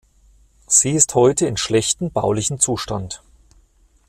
Sie ist heute in schlechtem baulichen Zustand.